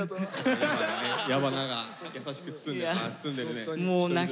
矢花が優しく包んでるね。